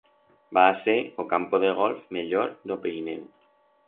Va a ser o campo de golf mellor d'o Pirineu.